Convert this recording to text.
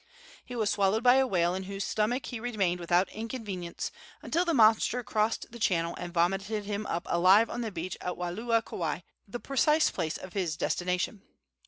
He was swallowed by a whale, in whose stomach he remained without inconvenience until the monster crossed the channel and vomited him up alive on the beach at Waialua, Kauai, the precise place of his destination.